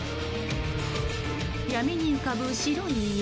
闇に浮かぶ白い家。